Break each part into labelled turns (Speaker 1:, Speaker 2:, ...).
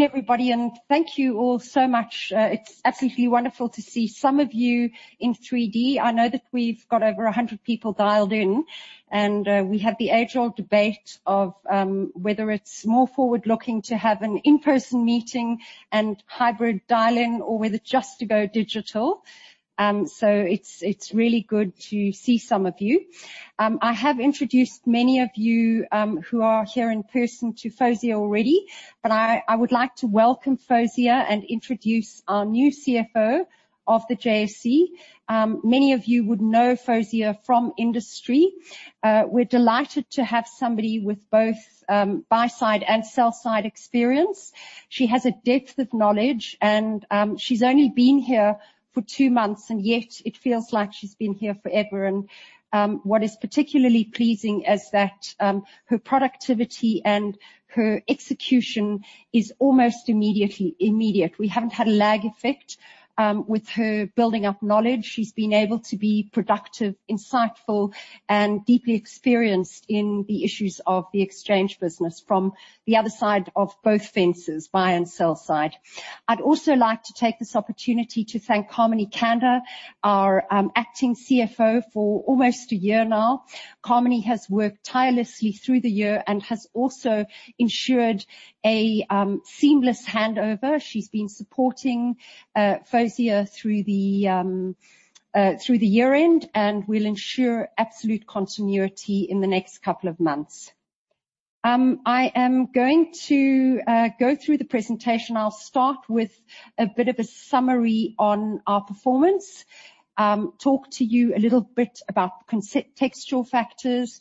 Speaker 1: Evening, everybody, thank you all so much. It's absolutely wonderful to see some of you in 3D. I know that we've got over 100 people dialed in, we have the age-old debate of whether it's more forward-looking to have an in-person meeting and hybrid dial-in or whether just to go digital. It's really good to see some of you. I have introduced many of you who are here in person to Fawzia already, I would like to welcome Fawzia and introduce our new CFO of the JSE. Many of you would know Fawzia from industry. We're delighted to have somebody with both buy-side and sell-side experience. She has a depth of knowledge, she's only been here for two months, yet it feels like she's been here forever. What is particularly pleasing is that her productivity and her execution is almost immediately immediate. We haven't had a lag effect with her building up knowledge. She's been able to be productive, insightful, and deeply experienced in the issues of the exchange business from the other side of both fences, buy and sell side. I'd also like to take this opportunity to thank Carmini Kander, our Acting CFO for almost a year now. Carmini has worked tirelessly through the year and has also ensured a seamless handover. She's been supporting Fawzia through the year-end and will ensure absolute continuity in the next couple of months. I am going to go through the presentation. I'll start with a bit of a summary on our performance, talk to you a little bit about contextual factors,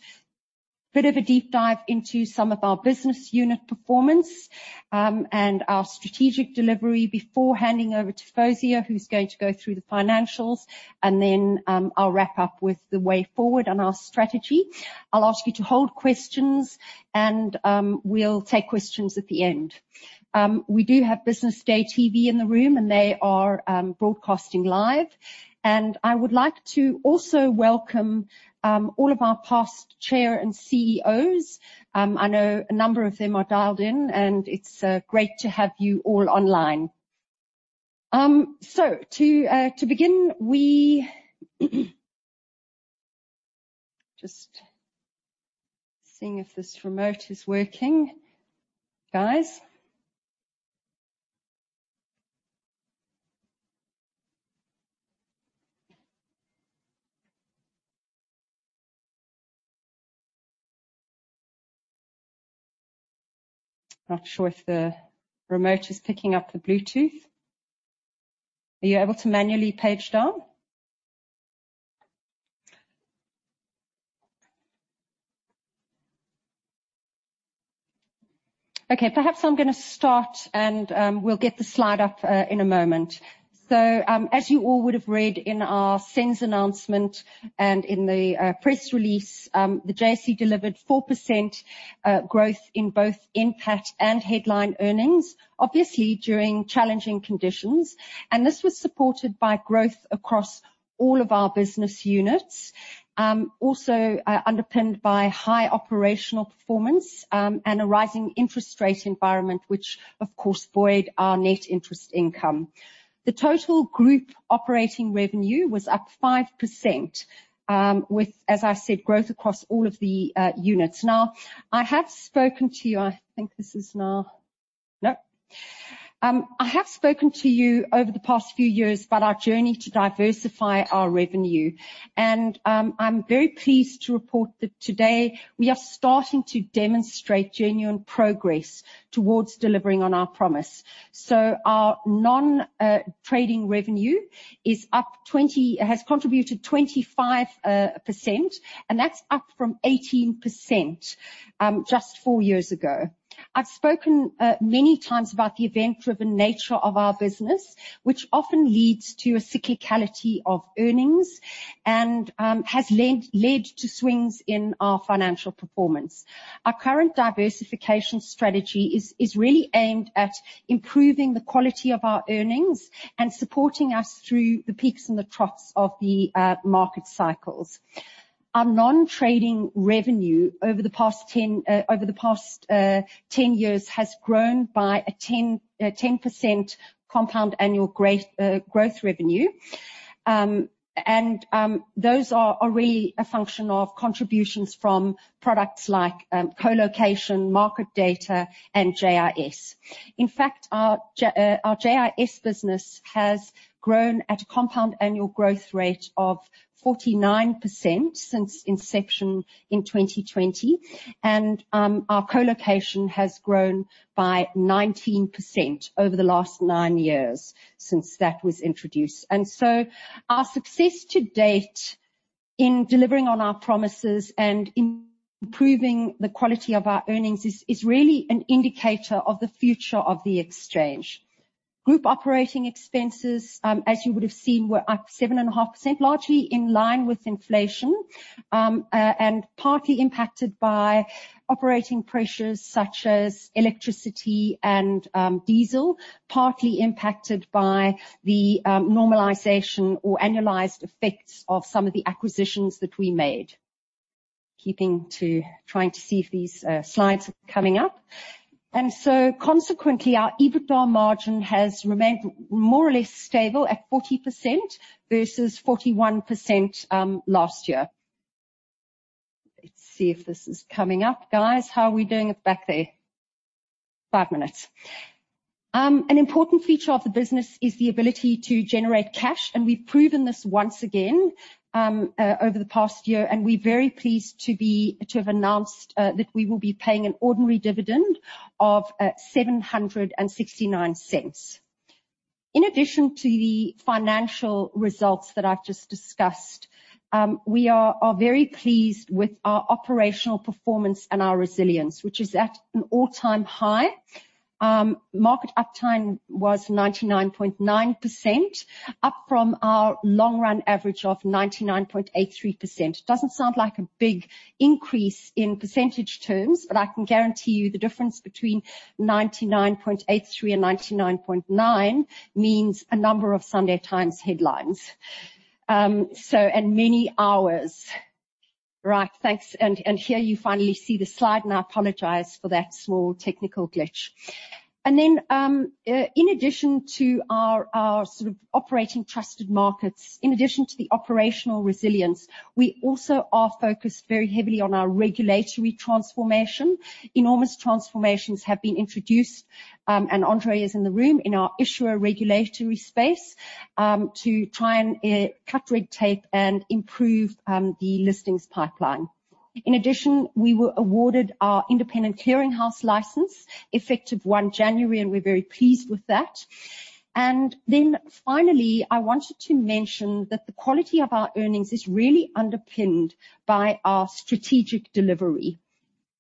Speaker 1: bit of a deep dive into some of our business unit performance, and our strategic delivery before handing over to Fawzia, who's going to go through the financials. I'll wrap up with the way forward on our strategy. I'll ask you to hold questions and we'll take questions at the end. We do have Business Day TV in the room, and they are broadcasting live. I would like to also welcome all of our past chair and CEOs. I know a number of them are dialed in, and it's great to have you all online. To begin. Just seeing if this remote is working, guys. Not sure if the remote is picking up the Bluetooth. Are you able to manually page down? Okay, perhaps I'm gonna start, and we'll get the slide up in a moment. As you all would have read in our SENS announcement and in the press release, the JSE delivered 4% growth in both NPAT and headline earnings, obviously during challenging conditions. This was supported by growth across all of our business units, also underpinned by high operational performance, and a rising interest rate environment, which of course buoyed our net interest income. The total group operating revenue was up 5%, with, as I said, growth across all of the units. Now, I have spoken to you. I think this is now... Nope. I have spoken to you over the past few years about our journey to diversify our revenue. I'm very pleased to report that today we are starting to demonstrate genuine progress towards delivering on our promise. Our non-trading revenue has contributed 25%, and that's up from 18% just four years ago. I've spoken many times about the event-driven nature of our business, which often leads to a cyclicality of earnings and has led to swings in our financial performance. Our current diversification strategy is really aimed at improving the quality of our earnings and supporting us through the peaks and the troughs of the market cycles. Our non-trading revenue over the past 10 years has grown by a 10% compound annual growth revenue. Those are really a function of contributions from products like colocation, market data, and JIS. In fact, our JIS business has grown at a compound annual growth rate of 49% since inception in 2020. Our colocation has grown by 19% over the last nine years since that was introduced. Our success to date in delivering on our promises and improving the quality of our earnings is really an indicator of the future of the exchange. Group operating expenses, as you would have seen, were up 7.5%, largely in line with inflation, and partly impacted by operating pressures such as electricity and diesel, partly impacted by the normalization or annualized effects of some of the acquisitions that we made. Keeping to trying to see if these slides are coming up. Consequently, our EBITDA margin has remained more or less stable at 40% versus 41% last year. Let's see if this is coming up, guys. How are we doing at the back there? Five minutes. An important feature of the business is the ability to generate cash, and we've proven this once again over the past year, and we're very pleased to have announced that we will be paying an ordinary dividend of 7.69. In addition to the financial results that I've just discussed, we are very pleased with our operational performance and our resilience, which is at an all-time high. Market uptime was 99.9%, up from our long-run average of 99.83%. It doesn't sound like a big increase in percentage terms, but I can guarantee you the difference between 99.83% and 99.9% means a number of Sunday Times headlines. So and many hours. Right. Thanks. Here you finally see the slide, and I apologize for that small technical glitch. In addition to our sort of operating trusted markets, in addition to the operational resilience, we also are focused very heavily on our regulatory transformation. Enormous transformations have been introduced, Andre is in the room, in our issuer regulatory space, to try and cut red tape and improve the listings pipeline. In addition, we were awarded our Independent Clearing House license, effective 1 January, and we're very pleased with that. Finally, I wanted to mention that the quality of our earnings is really underpinned by our strategic delivery.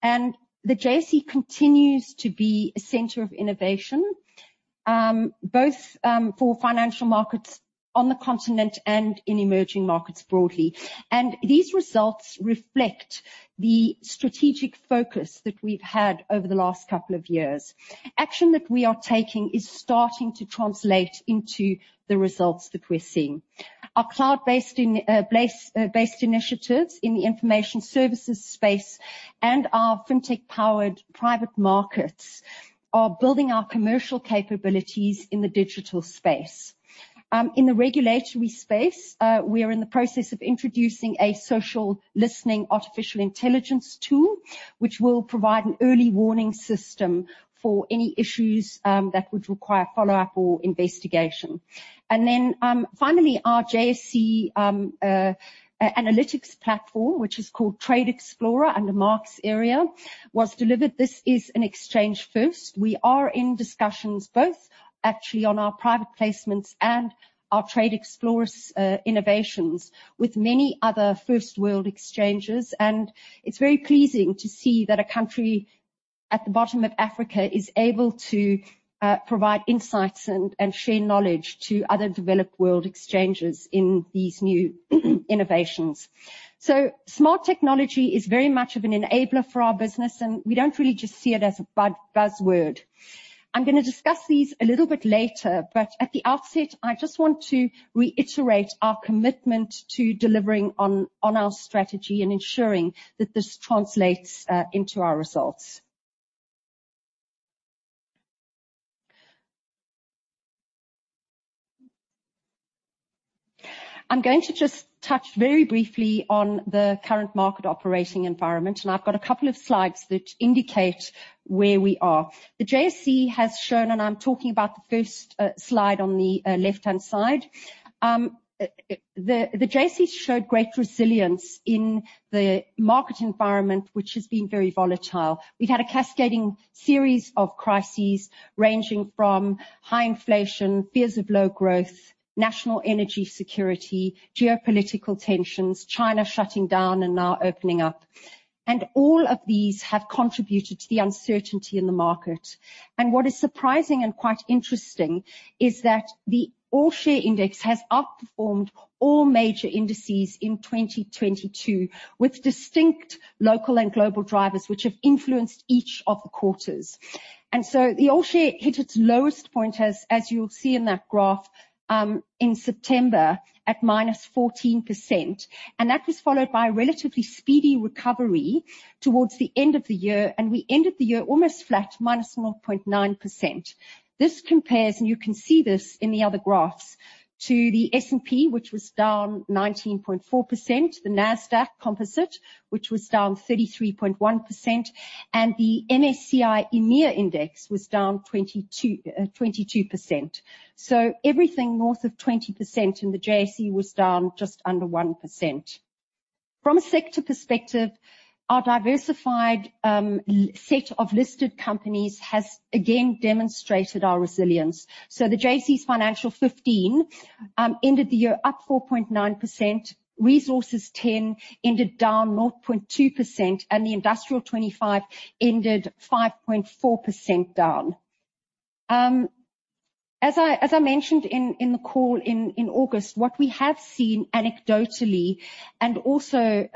Speaker 1: The JSE continues to be a center of innovation, both for financial markets on the continent and in emerging markets broadly. These results reflect the strategic focus that we've had over the last couple of years. Action that we are taking is starting to translate into the results that we're seeing. Our cloud-based based initiatives in the information services space and our fintech-powered private markets are building our commercial capabilities in the digital space. In the regulatory space, we are in the process of introducing a social listening artificial intelligence tool, which will provide an early warning system for any issues that would require follow-up or investigation. Finally, our JSE analytics platform, which is called Trade Explorer under Mark's area, was delivered. This is an exchange first. We are in discussions both actually on our private placements and our Trade Explorer's innovations with many other first-world exchanges. It's very pleasing to see that a country at the bottom of Africa is able to provide insights and share knowledge to other developed world exchanges in these new innovations. Smart technology is very much of an enabler for our business, and we don't really just see it as a buzzword. I'm going to discuss these a little bit later, but at the outset, I just want to reiterate our commitment to delivering on our strategy and ensuring that this translates into our results. I'm going to just touch very briefly on the current market operating environment, I've got a couple of slides that indicate where we are. The JSE has shown, I'm talking about the first slide on the left-hand side. The JSE showed great resilience in the market environment, which has been very volatile. We've had a cascading series of crises ranging from high inflation, fears of low growth, national energy security, geopolitical tensions, China shutting down and now opening up. All of these have contributed to the uncertainty in the market. What is surprising and quite interesting is that the All Share Index has outperformed all major indices in 2022, with distinct local and global drivers which have influenced each of the quarters. The All Share hit its lowest point as you'll see in that graph, in September at -14%, and that was followed by a relatively speedy recovery towards the end of the year, and we ended the year almost flat, minus 0.9%. This compares, and you can see this in the other graphs, to the S&P, which was down 19.4%. The Nasdaq Composite, which was down 33.1%, and the MSCI EMEA Index was down 22%. Everything north of 20% in the JSE was down just under 1%. From a sector perspective, our diversified set of listed companies has again demonstrated our resilience. The JSE's Financial 15 ended the year up 4.9%. Resources 10 ended down 0.2%, and the Industrial 25 ended 5.4% down. As I mentioned in the call in August, what we have seen anecdotally and also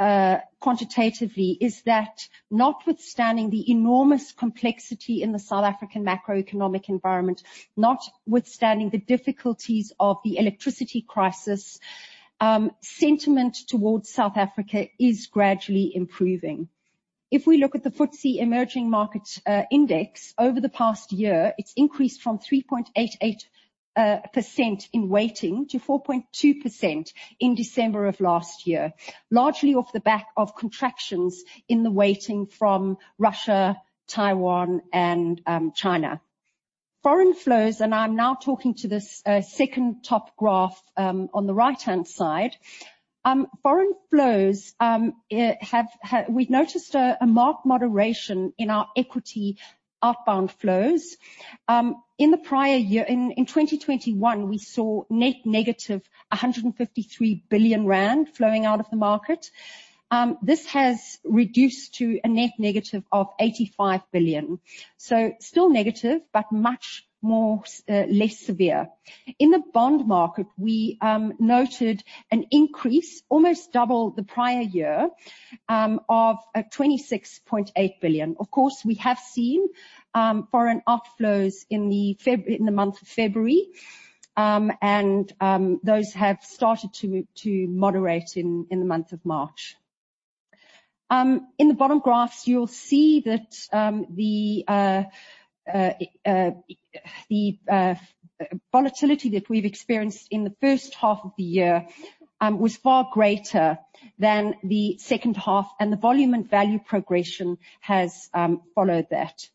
Speaker 1: quantitatively is that notwithstanding the enormous complexity in the South African macroeconomic environment, notwithstanding the difficulties of the electricity crisis, sentiment towards South Africa is gradually improving. We look at the FTSE Emerging Markets Index over the past year, it's increased from 3.88% in weighting to 4.2% in December of last year, largely off the back of contractions in the weighting from Russia, Taiwan, and China. Foreign flows, I'm now talking to this second top graph on the right-hand side. Foreign flows, We've noticed a marked moderation in our equity outbound flows. In the prior year, in 2021, we saw net -153 billion rand flowing out of the market. This has reduced to a net -85 billion. Still negative, but much more less severe. In the bond market, we noted an increase, almost double the prior year, of 26.8 billion. Of course, we have seen foreign outflows in the month of February. Those have started to moderate in the month of March. In the bottom graphs, you'll see that the volatility that we've experienced in the first half of the year was far greater than the second half, and the volume and value progression has followed that.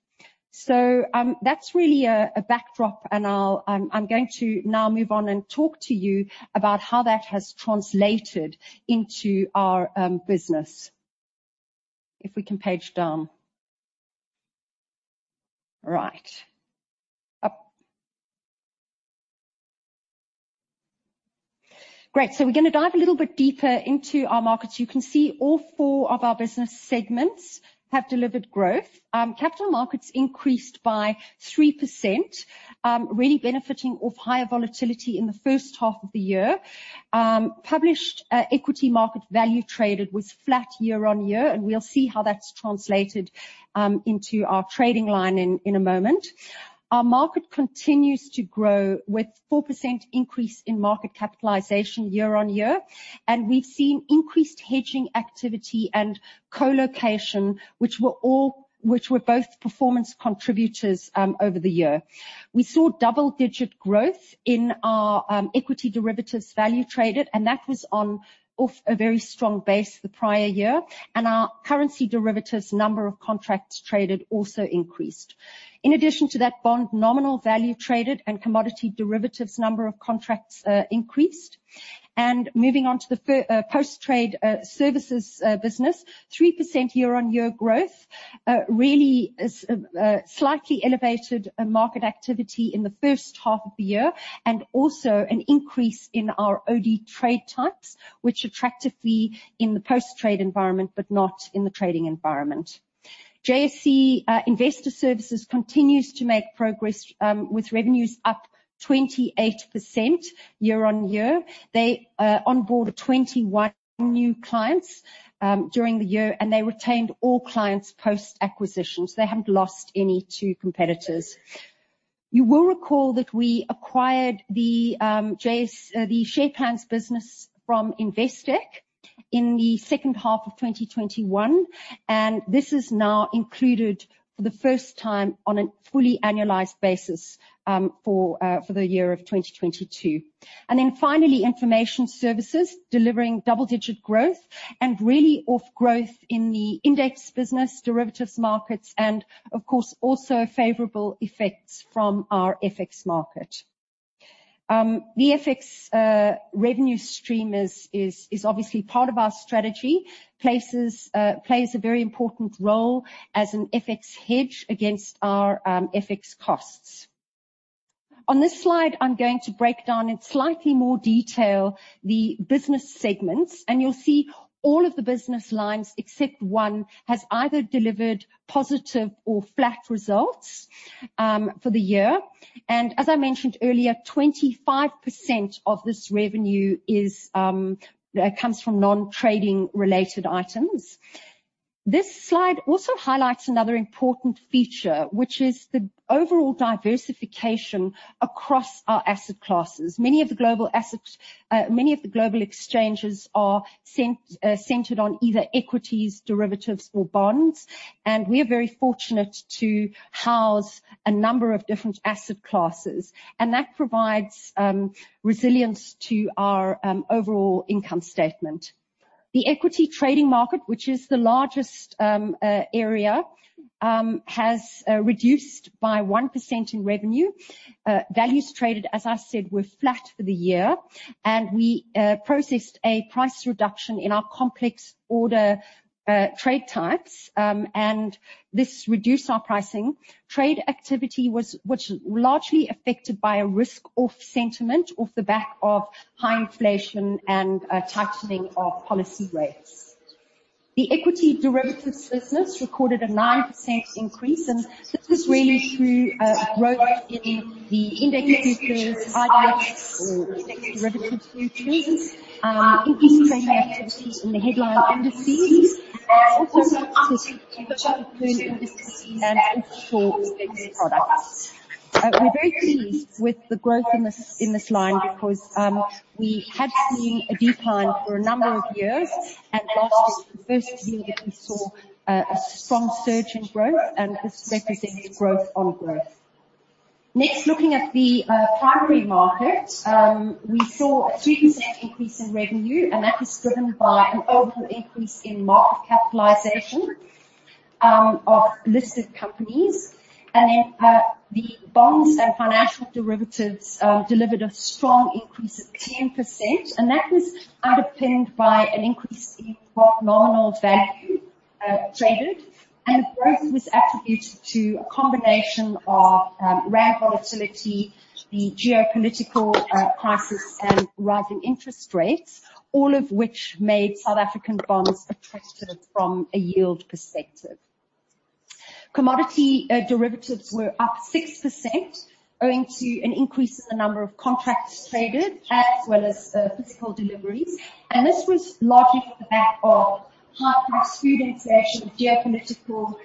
Speaker 1: That's really a backdrop, and I'm going to now move on and talk to you about how that has translated into our business. If we can page down. Right. Up. Great. We're gonna dive a little bit deeper into our markets. You can see all four of our business segments have delivered growth. Capital markets increased by 3%, really benefiting off higher volatility in the first half of the year. Published, equity market value traded was flat year-on-year, and we'll see how that's translated into our trading line in a moment. Our market continues to grow with 4% increase in market capitalization year-on-year, and we've seen increased hedging activity and colocation, which were both performance contributors over the year. We saw double-digit growth in our equity derivatives value traded, that was off a very strong base the prior year. Our currency derivatives number of contracts traded also increased. In addition to that, bond nominal value traded and commodity derivatives number of contracts increased. Moving on to the post-trade services business, 3% year-on-year growth really is slightly elevated market activity in the first half of the year and also an increase in our OD trade types, which are actively in the post-trade environment but not in the trading environment. JSE Investor Services continues to make progress with revenues up 28% year-on-year. They onboarded 21 new clients during the year, and they retained all clients post-acquisition. They haven't lost any to competitors. You will recall that we acquired the Share Plans business from Investec in the second half of 2021. This is now included for the first time on a fully annualized basis for the year of 2022. Finally, Information Services delivering double-digit growth and really off growth in the index business, derivatives markets and of course, also favorable effects from our FX market. The FX revenue stream is obviously part of our strategy. Plays a very important role as an FX hedge against our FX costs. On this slide, I'm going to break down in slightly more detail the business segments, and you'll see all of the business lines, except one, has either delivered positive or flat results for the year. As I mentioned earlier, 25% of this revenue is comes from non-trading related items. This slide also highlights another important feature, which is the overall diversification across our asset classes. Many of the global exchanges are centered on either equities, derivatives or bonds, and we're very fortunate to house a number of different asset classes, and that provides resilience to our overall income statement. The equity trading market, which is the largest area, has reduced by 1% in revenue. Values traded, as I said, were flat for the year, and we processed a price reduction in our complex order trade types, and this reduced our pricing. Trade activity was largely affected by a risk-off sentiment off the back of high inflation and tightening of policy rates. The equity derivatives business recorded a 9% increase, and this is really through growth in the index futures, IDX or index derivative futures, increased trading activity in the headline indices and also increased activity in derivatives and offshore index products. We're very pleased with the growth in this, in this line because we had seen a decline for a number of years, and last year was the first year that we saw a strong surge in growth, and this represents growth on growth. Looking at the primary market, we saw a 3% increase in revenue, and that was driven by an overall increase in market capitalization of listed companies. The bonds and financial derivatives delivered a strong increase of 10%, and that was underpinned by an increase in nominal value traded. The growth was attributed to a combination of Rand volatility, the geopolitical crisis, and rising interest rates, all of which made South African bonds attractive from a yield perspective. Commodity derivatives were up 6% owing to an increase in the number of contracts traded as well as physical deliveries. This was largely for the back of high food inflation, geopolitical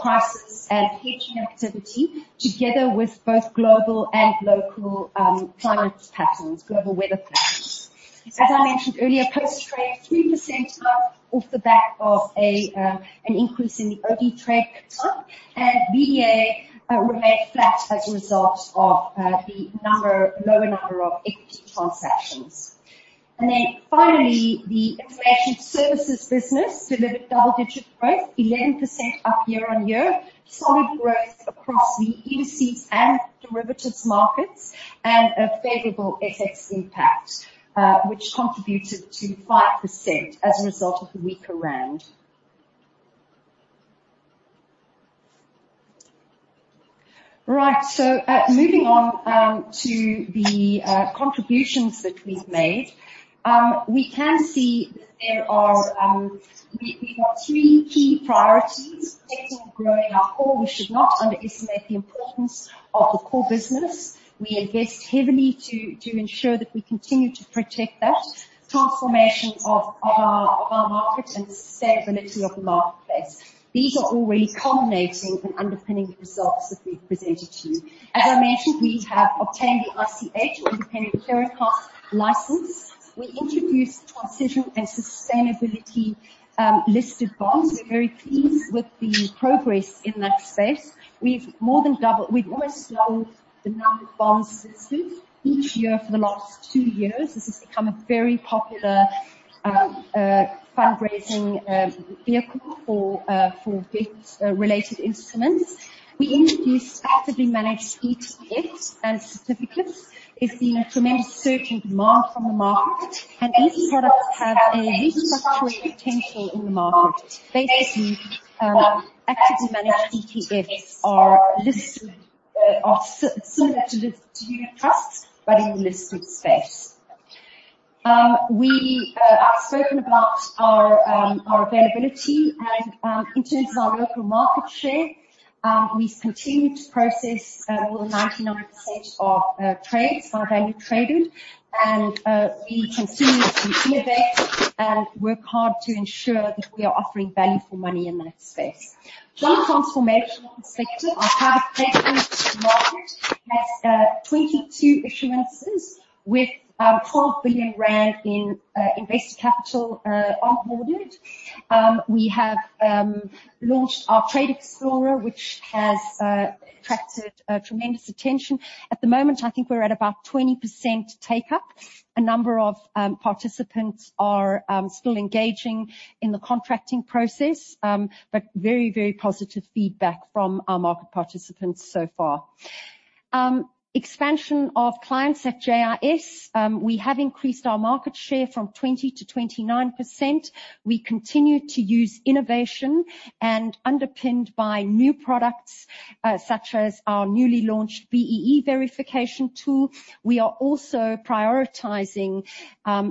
Speaker 1: crisis, and hedging activity, together with both global and local climate patterns, global weather patterns. As I mentioned earlier, Post Trade, 3% up off the back of an increase in the OD trade book. BDA remained flat as a result of the lower number of equity transactions. Finally, the information services business delivered double-digit growth, 11% up year on year. Solid growth across the [EUSEES] and derivatives markets, and a favorable FX impact, which contributed to 5% as a result of a weaker rand. Right. Moving on to the contributions that we've made. We've got three key priorities. Protecting and growing our core. We should not underestimate the importance of the core business. We invest heavily to ensure that we continue to protect that. Transformation of our market and the sustainability of the marketplace. These are all really culminating and underpinning the results that we've presented to you. As I mentioned, we have obtained the ICH, Independent Clearing House license. We introduced transition and sustainability listed bonds. We're very pleased with the progress in that space. We've almost doubled the number of bonds listed each year for the last two years. This has become a very popular fundraising vehicle for VIX-related instruments. We introduced actively managed ETFs and certificates is the tremendous search and demand from the market, and these products have a disruptory potential in the market. Basically, actively managed ETFs are listed, are similar to unit trusts but in the listed space. We I've spoken about our availability and in terms of our local market share, we've continued to process more than 99% of trades, our value traded. We continue to innovate and work hard to ensure that we are offering value for money in that space. From a transformation perspective, our private placement market has 22 issuances with 12 billion rand in invested capital onboarded. We have launched our Trade Explorer, which has attracted tremendous attention. At the moment, I think we're at about 20% take-up. A number of participants are still engaging in the contracting process. Very, very positive feedback from our market participants so far. Expansion of clients at JIS, we have increased our market share from 20% to 29%. We continue to use innovation and underpinned by new products, such as our newly launched BEE Verification tool. We are also prioritizing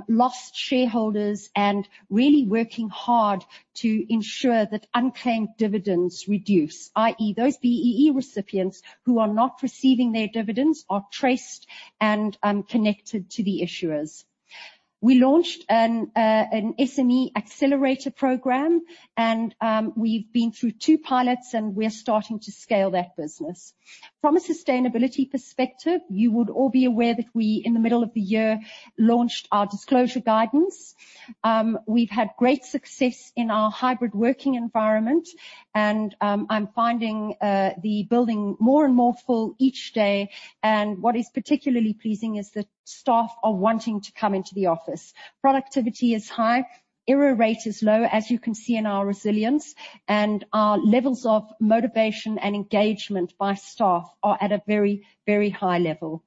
Speaker 1: lost shareholders and really working hard to ensure that unclaimed dividends reduce, i.e., those BEE recipients who are not receiving their dividends are traced and connected to the issuers. We launched an SME Accelerator Programme, and we've been through two pilots, and we're starting to scale that business. From a sustainability perspective, you would all be aware that we, in the middle of the year, launched our disclosure guidance. We've had great success in our hybrid working environment, and I'm finding the building more and more full each day. What is particularly pleasing is that staff are wanting to come into the office. Productivity is high, error rate is low, as you can see in our resilience, and our levels of motivation and engagement by staff are at a very high level.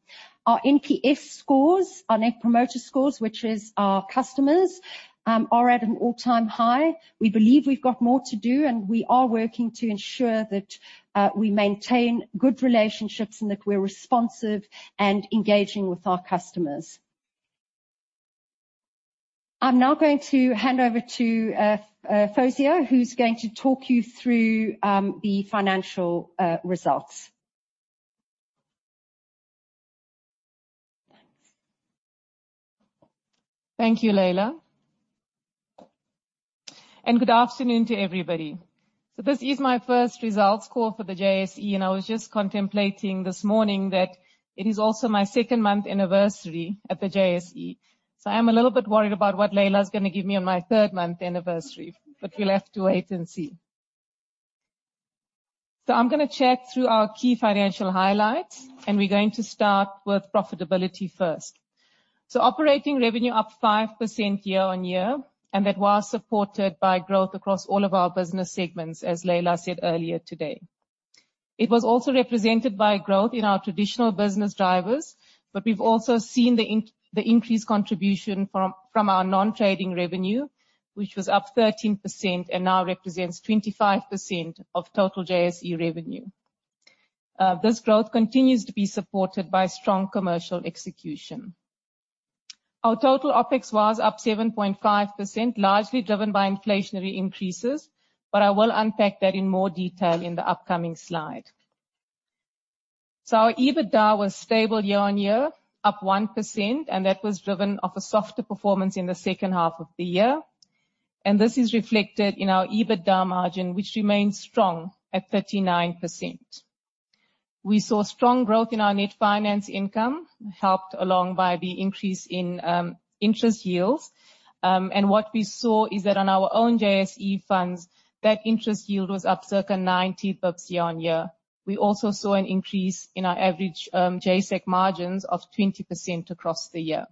Speaker 1: Our NPS scores, our net promoter scores, which is our customers, are at an all-time high. We believe we've got more to do, we are working to ensure that we maintain good relationships and that we're responsive and engaging with our customers. I'm now going to hand over to Fawzia, who's going to talk you through the financial results.
Speaker 2: Thank you, Leila, good afternoon to everybody. This is my first results call for the JSE, I was just contemplating this morning that it is also my second month anniversary at the JSE. I am a little bit worried about what Leila's gonna give me on my third-month anniversary, we'll have to wait and see. I'm gonna chat through our key financial highlights, we're going to start with profitability first. Operating revenue up 5% year-on-year, that was supported by growth across all of our business segments, as Leila said earlier today. It was also represented by growth in our traditional business drivers, we've also seen the increased contribution from our non-trading revenue, which was up 13% and now represents 25% of total JSE revenue. This growth continues to be supported by strong commercial execution. Our total OpEx was up 7.5%, largely driven by inflationary increases. I will unpack that in more detail in the upcoming slide. Our EBITDA was stable year-over-year, up 1%. That was driven off a softer performance in the second half of the year. This is reflected in our EBITDA margin, which remains strong at 39%. We saw strong growth in our net finance income, helped along by the increase in interest yields. What we saw is that on our own JSE funds, that interest yield was up circa 90 basis year-over-year. We also saw an increase in our average JSEC margins of 20% across the year.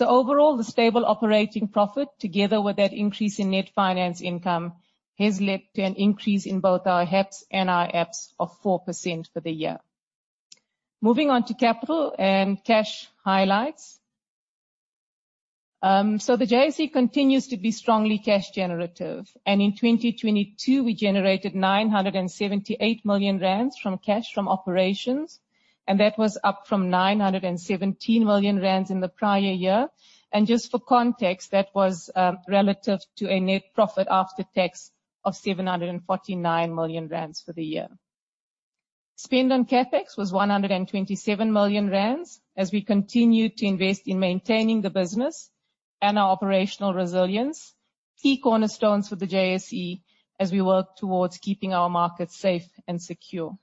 Speaker 2: Overall, the stable operating profit, together with that increase in net finance income, has led to an increase in both our HEPS and our EPS of 4% for the year. Moving on to capital and cash highlights. The JSE continues to be strongly cash generative. In 2022, we generated 978 million rand from cash from operations, and that was up from 917 million rand in the prior year. Just for context, that was relative to a net profit after tax of 749 million rand for the year. Spend on CapEx was 127 million rand as we continued to invest in maintaining the business and our operational resilience, key cornerstones for the JSE as we work towards keeping our markets safe and secure.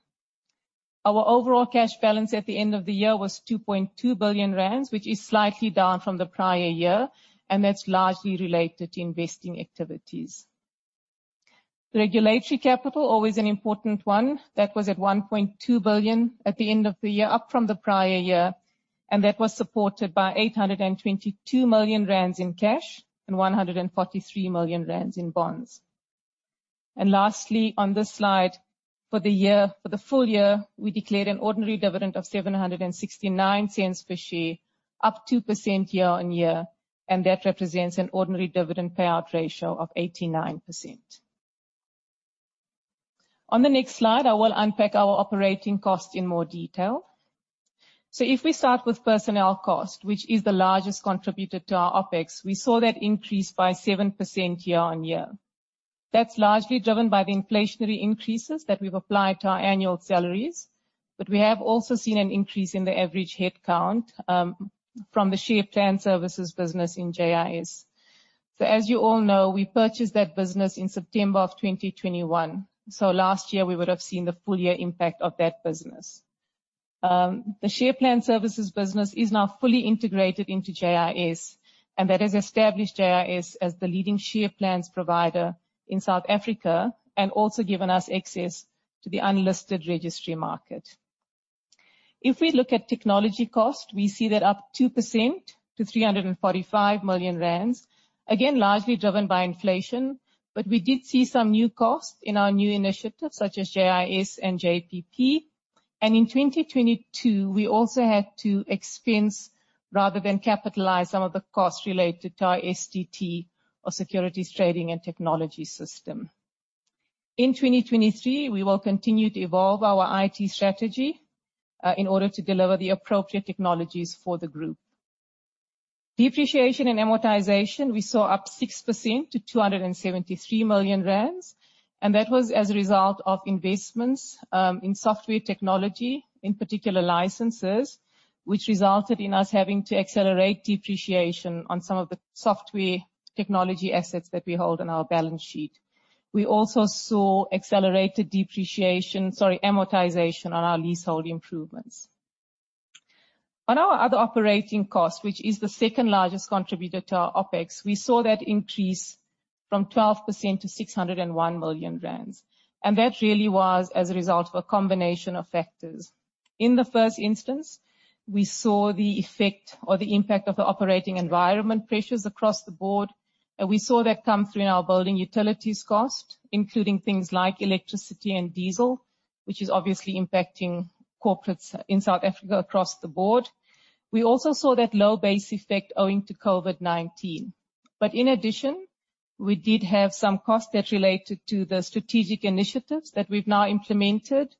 Speaker 2: Our overall cash balance at the end of the year was 2.2 billion rand, which is slightly down from the prior year. That's largely related to investing activities. Regulatory capital, always an important one. That was at 1.2 billion at the end of the year, up from the prior year. That was supported by 822 million rand in cash and 143 million rand in bonds. Lastly, on this slide, for the year, for the full year, we declared an ordinary dividend of 7.69 per share, up 2% year-on-year. That represents an ordinary dividend payout ratio of 89%. On the next slide, I will unpack our operating cost in more detail. If we start with personnel cost, which is the largest contributor to our OpEx, we saw that increase by 7% year-on-year. That's largely driven by the inflationary increases that we've applied to our annual salaries. We have also seen an increase in the average headcount from the share plan services business in JIS. As you all know, we purchased that business in September of 2021. Last year, we would have seen the full year impact of that business. The share plan services business is now fully integrated into JIS, and that has established JIS as the leading share plans provider in South Africa and also given us access to the unlisted registry market. We look at technology cost, we see that up 2% to 345 million rand. Largely driven by inflation, but we did see some new costs in our new initiatives such as JIS and JPP. In 2022, we also had to expense rather than capitalize some of the costs related to our STT or Securities Trading and Technology system. In 2023, we will continue to evolve our IT strategy in order to deliver the appropriate technologies for the group. Depreciation and amortization, we saw up 6% to 273 million rand, and that was as a result of investments in software technology, in particular licenses, which resulted in us having to accelerate depreciation on some of the software technology assets that we hold on our balance sheet. We also saw accelerated depreciation, sorry, amortization on our leasehold improvements. On our other operating costs, which is the second largest contributor to our OpEx, we saw that increase from 12% to 601 million rand. That really was as a result of a combination of factors. In the first instance, we saw the effect or the impact of the operating environment pressures across the board. We saw that come through in our building utilities cost, including things like electricity and diesel, which is obviously impacting corporates in South Africa across the board. We also saw that low base effect owing to COVID-19. In addition, we did have some costs that related to the strategic initiatives that we've now implemented.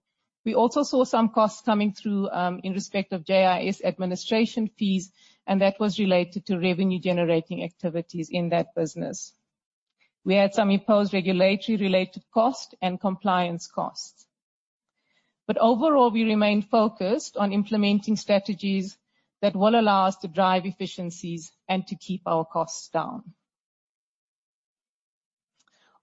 Speaker 2: We also saw some costs coming through in respect of JIS administration fees, and that was related to revenue-generating activities in that business. We had some imposed regulatory-related costs and compliance costs. Overall, we remain focused on implementing strategies that will allow us to drive efficiencies and to keep our costs down.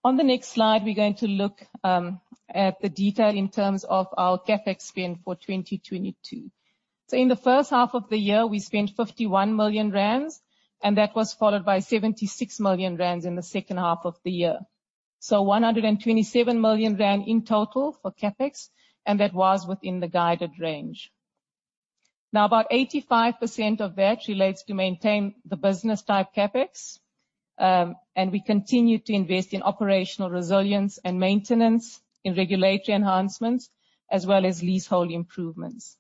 Speaker 2: On the next slide, we're going to look at the detail in terms of our CapEx spend for 2022. In the first half of the year, we spent 51 million rand, and that was followed by 76 million rand in the second half of the year. 127 million rand in total for CapEx, and that was within the guided range. About 85% of that relates to maintain the business type CapEx, and we continue to invest in operational resilience and maintenance, in regulatory enhancements, as well as leasehold improvements.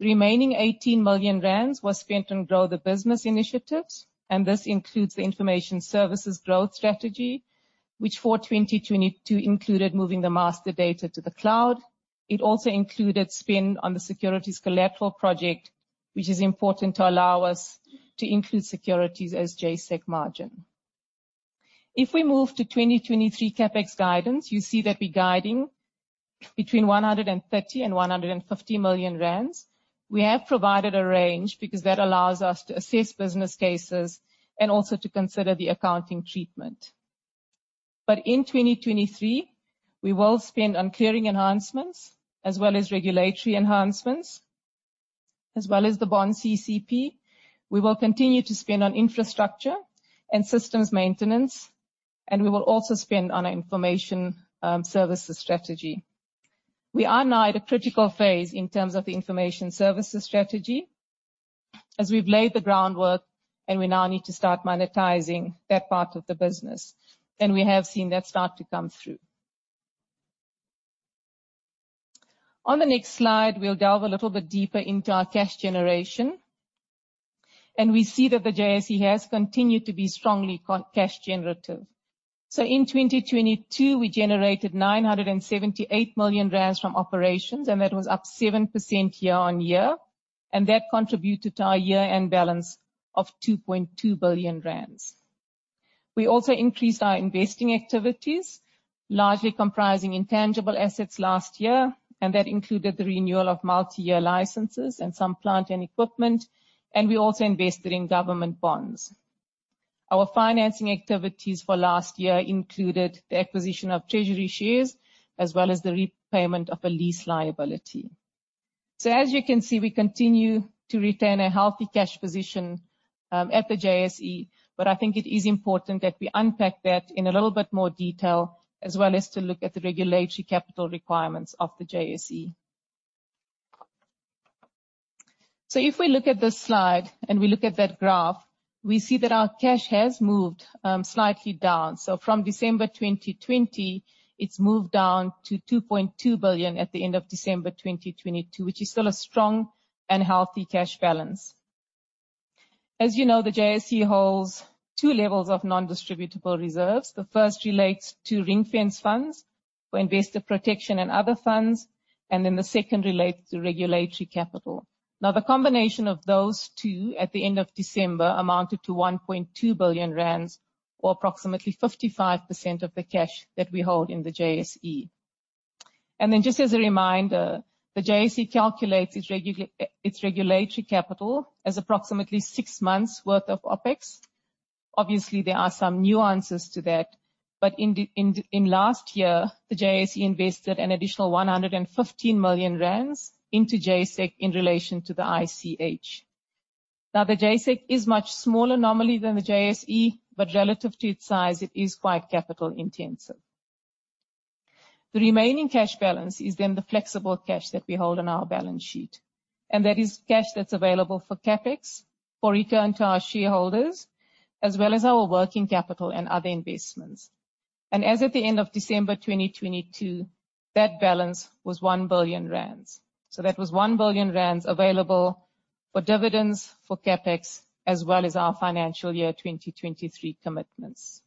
Speaker 2: Remaining 18 million rand was spent on grow the business initiatives. This includes the information services growth strategy, which for 2022 included moving the master data to the cloud. It also included spend on the securities collateral project, which is important to allow us to include securities as JSEC margin. We move to 2023 CapEx guidance, you see that we're guiding between 130 million and 150 million rand. We have provided a range because that allows us to assess business cases and also to consider the accounting treatment. In 2023, we will spend on clearing enhancements as well as regulatory enhancements, as well as the bond CCP. We will continue to spend on infrastructure and systems maintenance. We will also spend on our information services strategy. We are now at a critical phase in terms of the information services strategy, as we've laid the groundwork and we now need to start monetizing that part of the business. We have seen that start to come through. On the next slide, we'll delve a little bit deeper into our cash generation. We see that the JSE has continued to be strongly co-cash generative. In 2022, we generated 978 million rand from operations. That was up 7% year-on-year. That contributed to our year-end balance of 2.2 billion rand. We also increased our investing activities, largely comprising intangible assets last year. That included the renewal of multi-year licenses and some plant and equipment. We also invested in government bonds. Our financing activities for last year included the acquisition of treasury shares, as well as the repayment of a lease liability. As you can see, we continue to retain a healthy cash position at the JSE, but I think it is important that we unpack that in a little bit more detail, as well as to look at the regulatory capital requirements of the JSE. If we look at this slide and we look at that graph, we see that our cash has moved slightly down. From December 2020, it's moved down to 2.2 billion at the end of December 2022, which is still a strong and healthy cash balance. As you know, the JSE holds two levels of non-distributable reserves. The first relates to ring-fence funds for investor protection and other funds, and then the second relates to regulatory capital. The combination of those two at the end of December amounted to 1.2 billion rand or approximately 55% of the cash that we hold in the JSE. Just as a reminder, the JSE calculates its regulatory capital as approximately six months worth of OpEx. Obviously, there are some nuances to that. In the last year, the JSE invested an additional 115 million rand into JSEC in relation to the ICH. The JSEC is much smaller normally than the JSE, but relative to its size, it is quite capital intensive. The remaining cash balance is then the flexible cash that we hold on our balance sheet, and that is cash that's available for CapEx, for return to our shareholders, as well as our working capital and other investments. As at the end of December 2022, that balance was 1 billion rand. That was 1 billion rand available for dividends, for CapEx, as well as our financial year 2023 commitments.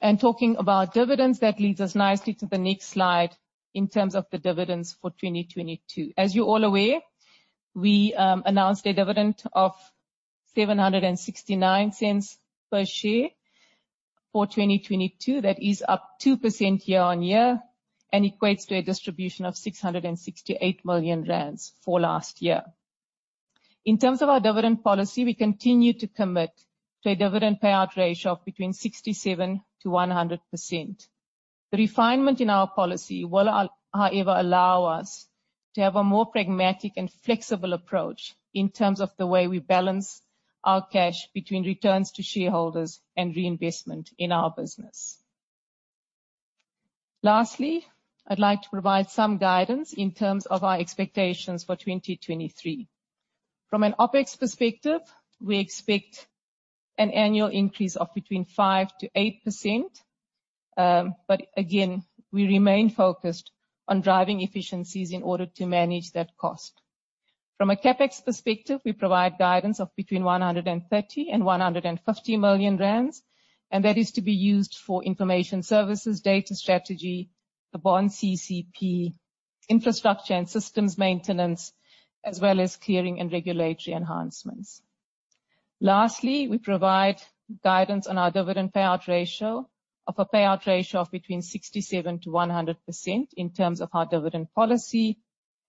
Speaker 2: Talking about dividends, that leads us nicely to the next slide in terms of the dividends for 2022. As you're all aware, we announced a dividend of 7.69 per share for 2022. That is up 2% year-on-year and equates to a distribution of 668 million rand for last year. In terms of our dividend policy, we continue to commit to a dividend payout ratio of between 67% to 100%. The refinement in our policy will however, allow us to have a more pragmatic and flexible approach in terms of the way we balance our cash between returns to shareholders and reinvestment in our business. Lastly, I'd like to provide some guidance in terms of our expectations for 2023. From an OpEx perspective, we expect an annual increase of between 5%-8%. Again, we remain focused on driving efficiencies in order to manage that cost. From a CapEx perspective, we provide guidance of between 130 million and 150 million rand, that is to be used for information services, data strategy, the bond CCP, infrastructure and systems maintenance, as well as clearing and regulatory enhancements. We provide guidance on our dividend payout ratio of a payout ratio of between 67% to 100% in terms of our dividend policy,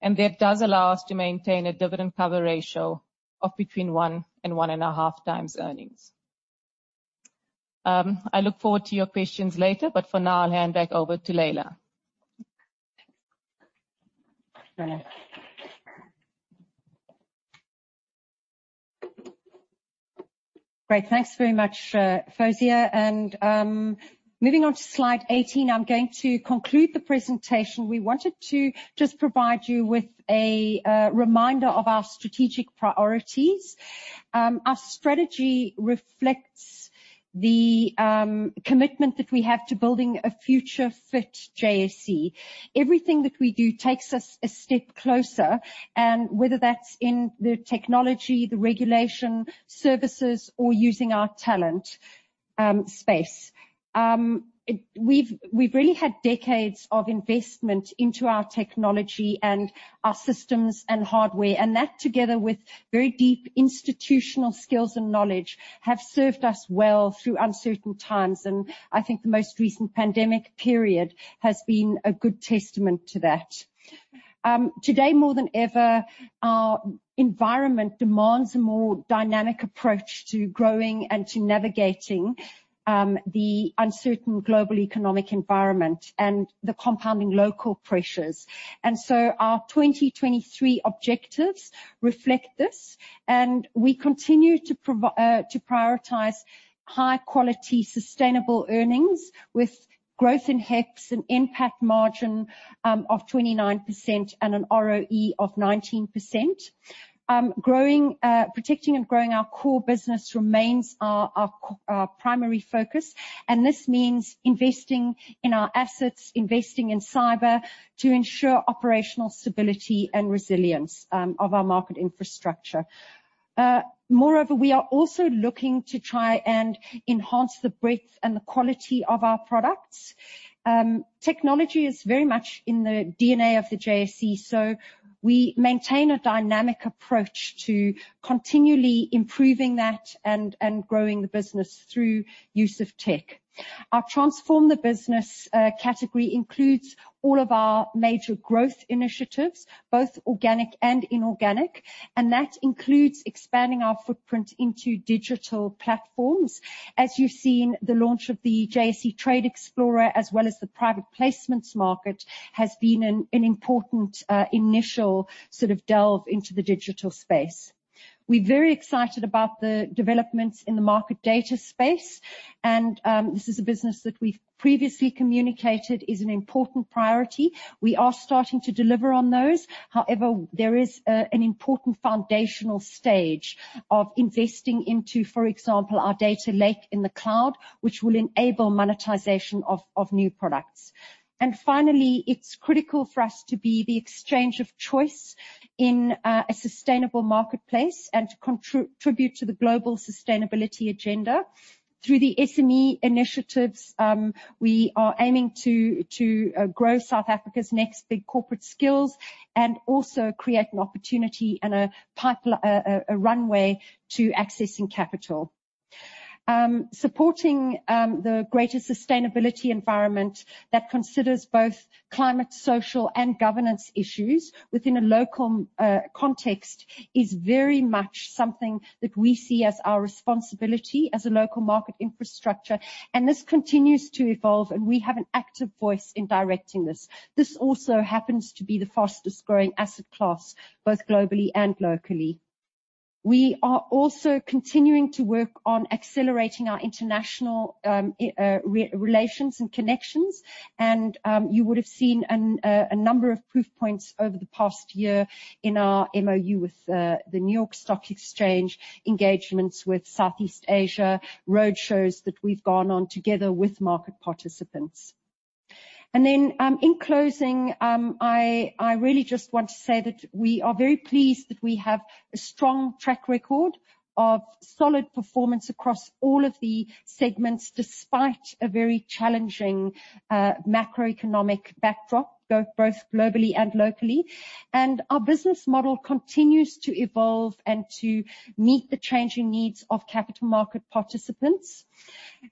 Speaker 2: that does allow us to maintain a dividend cover ratio of between 1x and 1.5x Earnings. I look forward to your questions later, for now, I'll hand back over to Leila.
Speaker 1: Great. Thanks very much, Fawzia. Moving on to slide 18, I'm going to conclude the presentation. We wanted to just provide you with a reminder of our strategic priorities. Our strategy reflects the commitment that we have to building a future fit JSE. Everything that we do takes us a step closer, and whether that's in the technology, the regulation, services, or using our talent space. We've really had decades of investment into our technology and our systems and hardware, and that, together with very deep institutional skills and knowledge, have served us well through uncertain times. I think the most recent pandemic period has been a good testament to that. Today more than ever, our environment demands a more dynamic approach to growing and to navigating the uncertain global economic environment and the compounding local pressures. Our 2023 objectives reflect this, and we continue to prioritize high quality, sustainable earnings with growth in HEPS and NPAT margin of 29% and an ROE of 19%. Growing, protecting and growing our core business remains our primary focus, and this means investing in our assets, investing in cyber to ensure operational stability and resilience of our market infrastructure. Moreover, we are also looking to try and enhance the breadth and the quality of our products. Technology is very much in the DNA of the JSE, so we maintain a dynamic approach to continually improving that and growing the business through use of tech. Our transform the business category includes all of our major growth initiatives, both organic and inorganic, and that includes expanding our footprint into digital platforms. As you've seen, the launch of the JSE Trade Explorer, as well as the Private Placements market, has been an important initial sort of delve into the digital space. We're very excited about the developments in the market data space and this is a business that we've previously communicated is an important priority. We are starting to deliver on those. However, there is an important foundational stage of investing into, for example, our data lake in the cloud, which will enable monetization of new products. Finally, it's critical for us to be the exchange of choice in a sustainable marketplace and to contribute to the global sustainability agenda. Through the SME initiatives, we are aiming to grow South Africa's next big corporate skills and also create an opportunity and a runway to accessing capital. Supporting the greater sustainability environment that considers both climate, social, and governance issues within a local context is very much something that we see as our responsibility as a local market infrastructure. This continues to evolve, and we have an active voice in directing this. This also happens to be the fastest-growing asset class, both globally and locally. We are also continuing to work on accelerating our international re-relations and connections and you would have seen a number of proof points over the past year in our MOU with the New York Stock Exchange, engagements with Southeast Asia, road shows that we've gone on together with market participants. Then, in closing, I really just want to say that we are very pleased that we have a strong track record of solid performance across all of the segments, despite a very challenging macroeconomic backdrop, both globally and locally. Our business model continues to evolve and to meet the changing needs of capital market participants.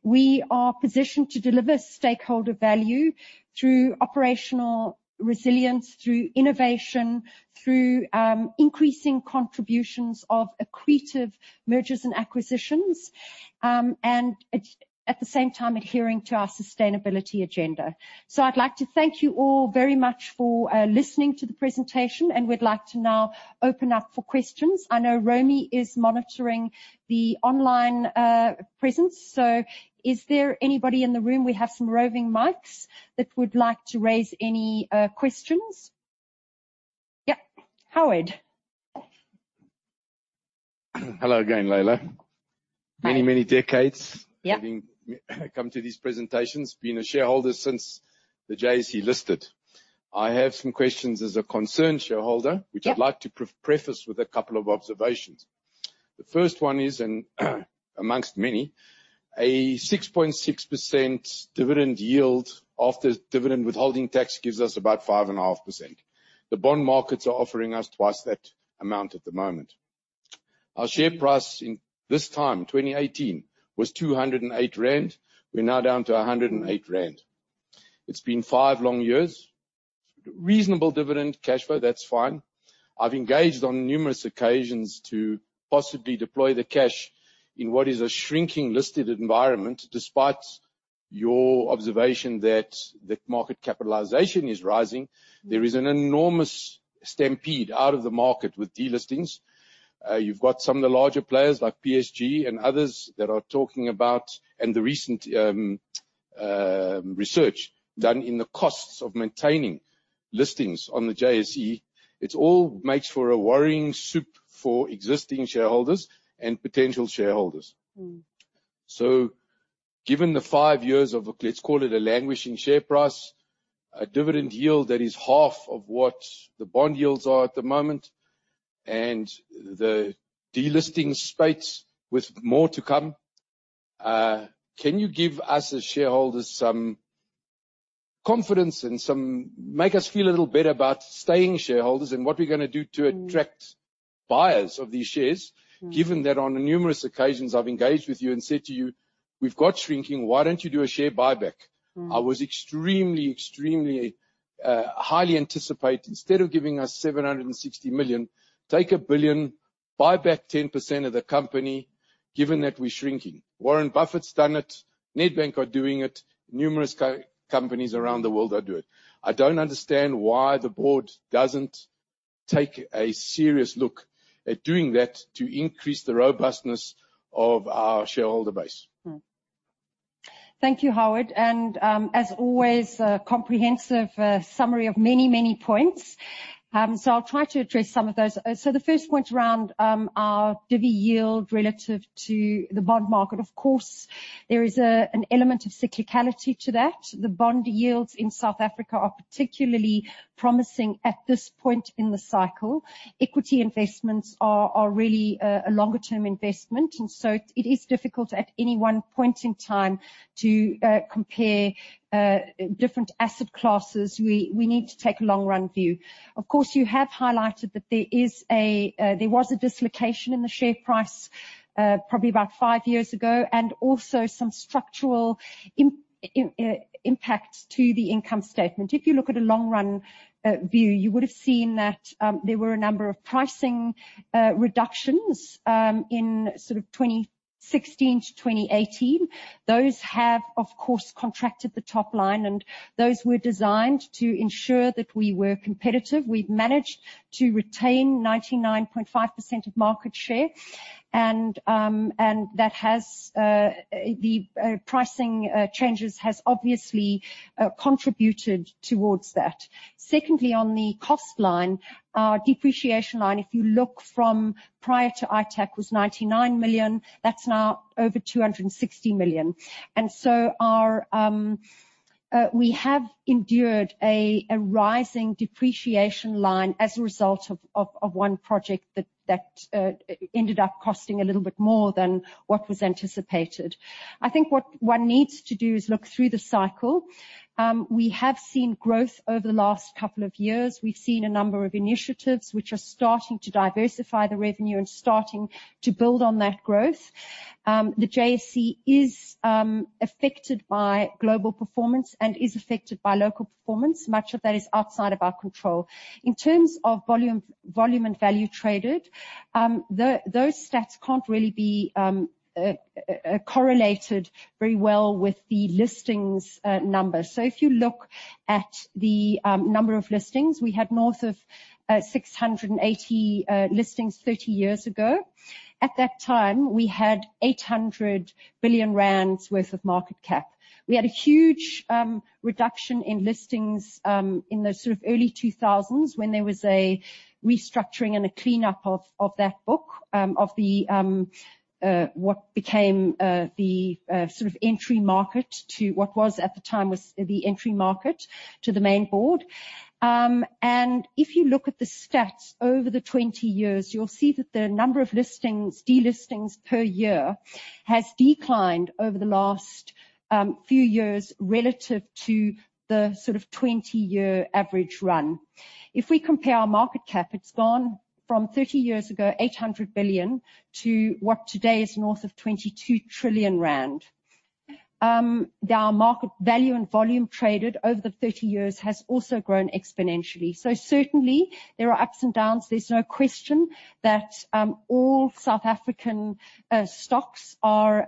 Speaker 1: We are positioned to deliver stakeholder value through operational resilience, through innovation, through increasing contributions of accretive mergers and acquisitions, and at the same time adhering to our sustainability agenda. I'd like to thank you all very much for listening to the presentation, and we'd like to now open up for questions. I know Romy is monitoring the online presence. Is there anybody in the room, we have some roving mics, that would like to raise any questions? Yep. Howard.
Speaker 3: Hello again, Leila.
Speaker 1: Hi.
Speaker 3: Many, many decades-
Speaker 1: Yep.
Speaker 3: having come to these presentations. Been a shareholder since the JSE listed. I have some questions as a concerned shareholder.
Speaker 1: Yep.
Speaker 3: which I'd like to preface with a couple of observations. The first one is, Amongst many, a 6.6% dividend yield after dividend withholding tax gives us about 5.5%. The bond markets are offering us twice that amount at the moment. Our share price in this time, 2018, was 208 rand. We're now down to 108 rand. It's been five long years. Reasonable dividend cash flow, that's fine. I've engaged on numerous occasions to possibly deploy the cash in what is a shrinking listed environment. Despite your observation that the market capitalization is rising, there is an enormous stampede out of the market with delistings. you've got some of the larger players like PSG and others that are talking about... The recent research done in the costs of maintaining listings on the JSE. It all makes for a worrying soup for existing shareholders and potential shareholders.
Speaker 1: Mm.
Speaker 3: Given the five years of, let's call it, a languishing share price, a dividend yield that is half of what the bond yields are at the moment, and the delisting spates with more to come, can you give us, as shareholders, some confidence and make us feel a little better about staying shareholders and what we're gonna do to attract buyers of these shares?
Speaker 1: Mm.
Speaker 3: Given that on numerous occasions I've engaged with you and said to you, we've got shrinking, why don't you do a share buyback?
Speaker 1: Mm.
Speaker 3: I was extremely highly anticipate. Instead of giving us 760 million, take 1 billion, buy back 10% of the company, given that we're shrinking. Warren Buffett's done it. Nedbank are doing it. Numerous co-companies around the world are doing it. I don't understand why the board doesn't take a serious look at doing that to increase the robustness of our shareholder base.
Speaker 1: Thank you, Howard. As always, a comprehensive summary of many, many points. I'll try to address some of those. The first point around our divi yield relative to the bond market. Of course, there is an element of cyclicality to that. The bond yields in South Africa are particularly promising at this point in the cycle. Equity investments are really a longer term investment, and so it is difficult at any one point in time to compare different asset classes. We need to take a long run view. Of course, you have highlighted that there was a dislocation in the share price, probably about five years ago, and also some structural impact to the income statement. If you look at a long run view, you would have seen that there were a number of pricing reductions in sort of 2016 to 2018. Those have, of course, contracted the top line, and those were designed to ensure that we were competitive. We've managed to retain 99.5% of market share, and that has the pricing changes has obviously contributed towards that. Secondly, on the cost line, our depreciation line, if you look from prior to ITaC, was 99 million. That's now over 260 million. Our we have endured a rising depreciation line as a result of one project that ended up costing a little bit more than what was anticipated. I think what one needs to do is look through the cycle. We have seen growth over the last couple of years. We've seen a number of initiatives which are starting to diversify the revenue and starting to build on that growth. The JSE is affected by global performance and is affected by local performance. Much of that is outside of our control. In terms of volume and value traded, those stats can't really be correlated very well with the listings numbers. If you look at the number of listings, we had north of 680 listings 30 years ago. At that time, we had 800 billion rand worth of market cap. We had a huge reduction in listings in the sort of early 2000s when there was a restructuring and a cleanup of that book, of the what became the sort of entry market to what was at the time the entry market to the main board. If you look at the stats over the 20 years, you'll see that the number of listings, delistings per year has declined over the last few years relative to the sort of 20-year average run. If we compare our market cap, it's gone from 30 years ago, 800 billion, to what today is north of 22 trillion rand. Our market value and volume traded over the 30 years has also grown exponentially. Certainly there are ups and downs. There's no question that all South African stocks are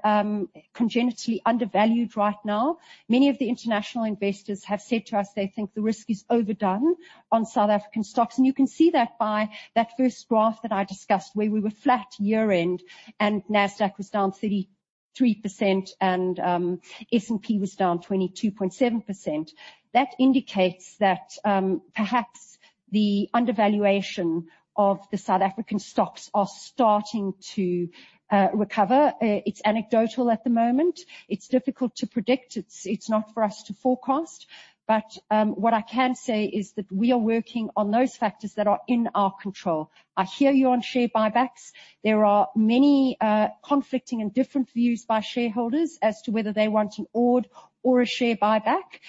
Speaker 1: congenitally undervalued right now. Many of the international investors have said to us they think the risk is overdone on South African stocks, and you can see that by that first graph that I discussed, where we were flat year-end and Nasdaq was down 33% and S&P was down 22.7%. That indicates that the undervaluation of the South African stocks are starting to recover. It's anecdotal at the moment. It's difficult to predict. It's not for us to forecast. What I can say is that we are working on those factors that are in our control. I hear you on share buybacks. There are many conflicting and different views by shareholders as to whether they want a ORD or a share buyback.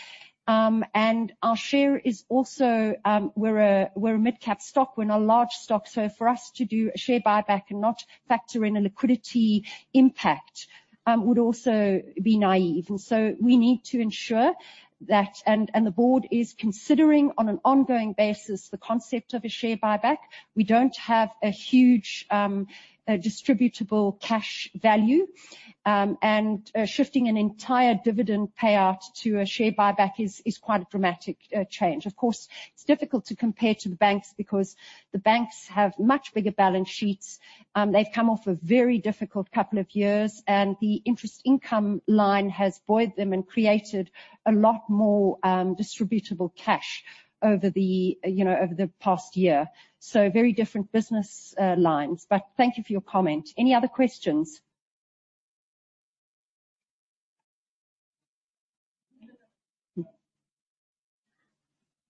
Speaker 1: Our share is also, we're a mid-cap stock. We're not a large stock. For us to do a share buyback and not factor in a liquidity impact would also be naive. We need to ensure that... The board is considering on an ongoing basis the concept of a share buyback. We don't have a huge distributable cash value. Shifting an entire dividend payout to a share buyback is quite a dramatic change. Of course, it's difficult to compare to the banks because the banks have much bigger balance sheets. They've come off a very difficult couple of years, the interest income line has buoyed them and created a lot more distributable cash over the, you know, over the past year. Very different business lines. Thank you for your comment. Any other questions?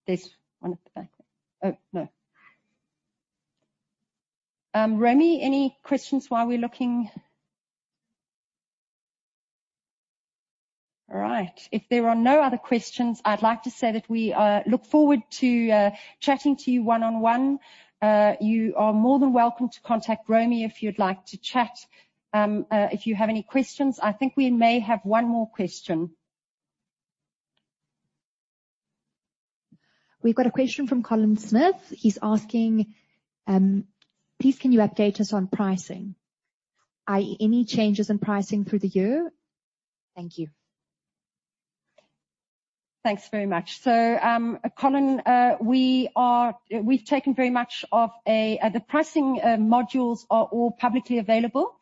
Speaker 1: There's one at the back there. Oh, no. Romy, any questions while we're looking? All right. If there are no other questions, I'd like to say that we look forward to chatting to you one-on-one. You are more than welcome to contact Romy if you'd like to chat if you have any questions. I think we may have one more question.
Speaker 4: We've got a question from Colin Smith. He's asking, Please can you update us on pricing? Any changes in pricing through the year? Thank you.
Speaker 1: Thanks very much. Colin, we've taken very much of a, the pricing, modules are all publicly available.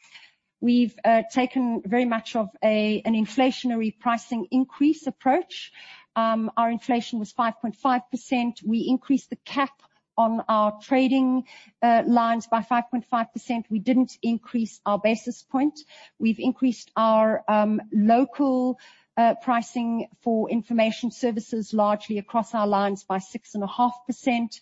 Speaker 1: We've taken very much of a, an inflationary pricing increase approach. Our inflation was 5.5%. We increased the cap on our trading, lines by 5.5%. We didn't increase our basis point. We've increased our local pricing for information services largely across our lines by 6.5%.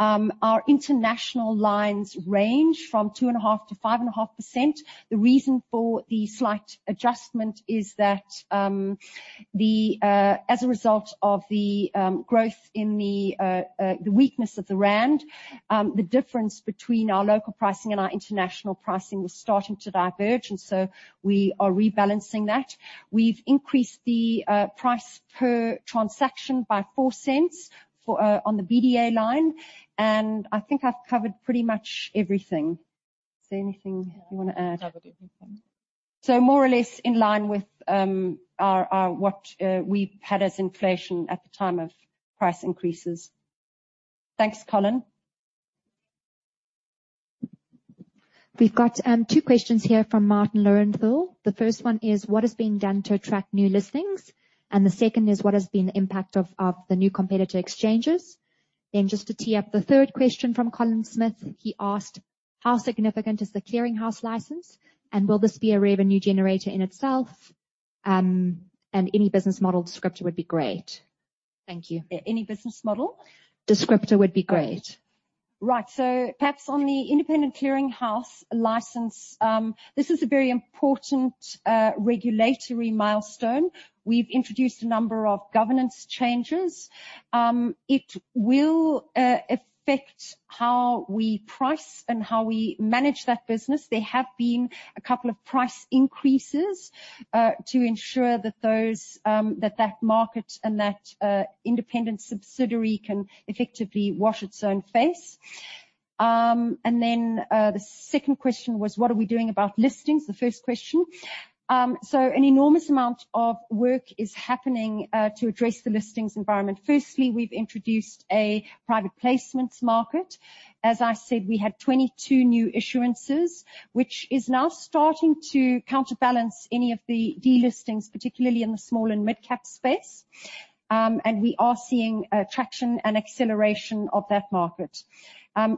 Speaker 1: Our international lines range from 2.5%-5.5%. The reason for the slight adjustment is that, as a result of the growth in the weakness of the rand, the difference between our local pricing and our international pricing was starting to diverge, and so we are rebalancing that. We've increased the price per transaction by 0.04 for on the BDA line, and I think I've covered pretty much everything. Is there anything you wanna add?
Speaker 4: Yeah. Covered everything.
Speaker 1: More or less in line with our what we had as inflation at the time of price increases. Thanks, Colin.
Speaker 4: We've got two questions here from Martin Lorentville. The first one is: What is being done to attract new listings? The second is: What has been the impact of the new competitor exchanges? Just to tee up the third question from Colin Smith, he asked: How significant is the clearing house license, and will this be a revenue generator in itself? Any business model descriptor would be great. Thank you.
Speaker 1: Any business model?
Speaker 4: Descriptor would be great.
Speaker 1: Right. Perhaps on the independent clearing house license, this is a very important regulatory milestone. We've introduced a number of governance changes. It will affect how we price and how we manage that business. There have been a couple of price increases to ensure that those, that market and that independent subsidiary can effectively wash its own face. Then, the second question was: What are we doing about listings? The first question. An enormous amount of work is happening to address the listings environment. Firstly, we've introduced a private placements market. As I said, we had 22 new issuances, which is now starting to counterbalance any of the delistings, particularly in the small and midcap space. We are seeing traction and acceleration of that market.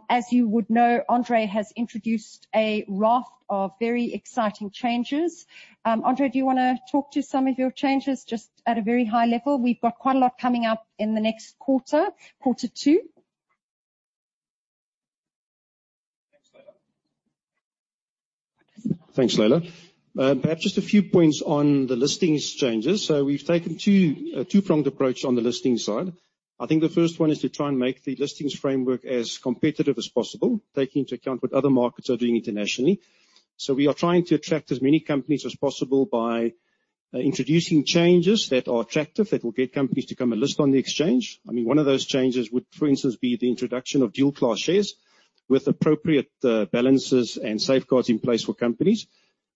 Speaker 1: As you would know, Andre has introduced a raft of very exciting changes. Andre, do you wanna talk to some of your changes just at a very high level? We've got quite a lot coming up in the next quarter, quarter two.
Speaker 5: Thanks, Leila. Perhaps just a few points on the listings changes. We've taken a two-pronged approach on the listings side. I think the first one is to try and make the listings framework as competitive as possible, taking into account what other markets are doing internationally. We are trying to attract as many companies as possible by introducing changes that are attractive, that will get companies to come and list on the exchange. I mean, one of those changes would, for instance, be the introduction of dual class shares with appropriate balances and safeguards in place for companies.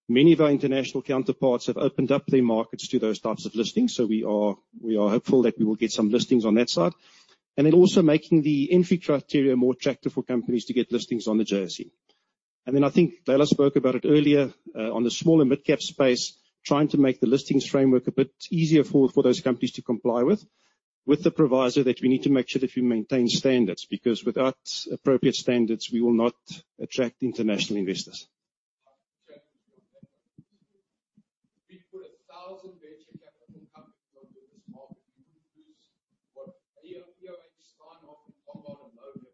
Speaker 5: Many of our international counterparts have opened up their markets to those types of listings, we are hopeful that we will get some listings on that side. Also making the inward listing criteria more attractive for companies to get listings on the JSE. I think Leila spoke about it earlier, on the small and mid-cap space, trying to make the listings framework a bit easier for those companies to comply with the proviso that we need to make sure that we maintain standards, because without appropriate standards, we will not attract international investors.
Speaker 3: We put 1,000 venture capital companies onto this market. We wouldn't lose what EOH, Steinhoff and Tongaat [and load] we